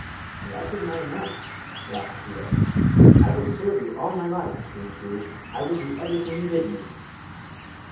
"That is not enough," laughed Keo. "I will serve you all my life!" screamed Gouie; "I will do everything you bid me!"